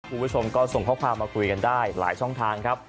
คุณผู้ชมก็ส่งข้อความมาคุยกันได้หลายช่องทางครับ